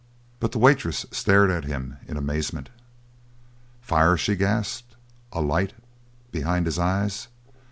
But the waitress stared at him in amazement. "Fire?" she gasped. "A light behind his eyes?